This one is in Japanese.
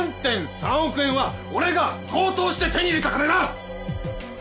３．３億円は俺が強盗して手に入れた金だ！